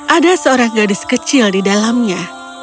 ada seorang gadis kecil di dalamnya